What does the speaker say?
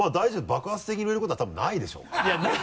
爆発的に売れることは多分ないでしょうから。